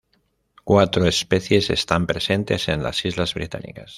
Cuatro especies están presentes en las islas británicas.